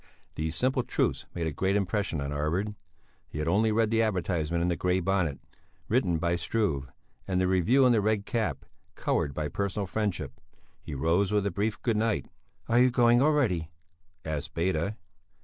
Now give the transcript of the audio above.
These simple truths made a great impression on Arvid; he had only read the advertisement in the Grey Bonnet, written by Struve, and the review in the Red Cap, coloured by personal friendship. He rose with a brief good night. "Are you going already?" asked Beda.